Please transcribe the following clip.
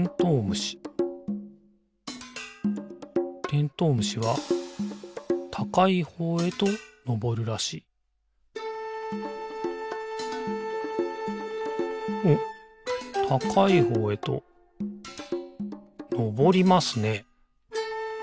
虫てんとう虫はたかいほうへとのぼるらしいおったかいほうへとのぼりますね。